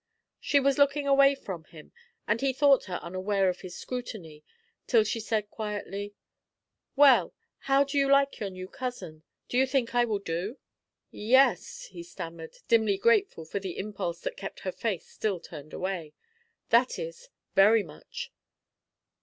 She was looking away from him, and he thought her unaware of his scrutiny till she said quietly: "Well, how do you like your new cousin? Do you think I will do?" "Yes," he stammered, dimly grateful for the impulse that kept her face still turned away; "that is, very much."